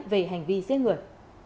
về hành vi giết người